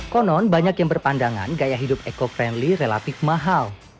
konon banyak yang berpandangan gaya hidup eco friendly relatif mahal